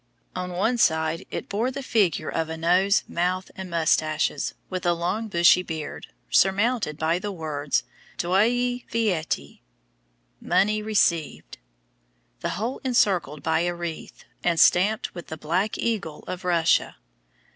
On one side it bore the figure of a nose, mouth, and moustaches, with a long bushy beard, surmounted by the words, "Deuyee Vyeatee," "money received;" the whole encircled by a wreath, and stamped with the black eagle of Russia.